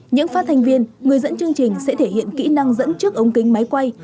những phát thanh viên người dẫn chương trình sẽ thể hiện kỹ năng dẫn trước ống kính máy quay